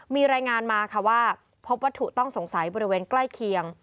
มีรายงานมาค่ะว่าพบวัตถุต้องสงสัยบริเวณใกล้เคียง